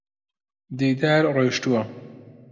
دیدار ڕۆیشتووە.